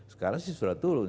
sekarang sih sudah turun